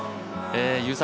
優作